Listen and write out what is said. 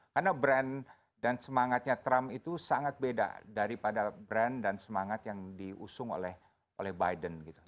karena brand dan semangatnya trump itu sangat beda daripada brand dan semangat yang diusung oleh biden gitu